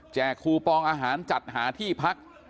คูปองอาหารจัดหาที่พัก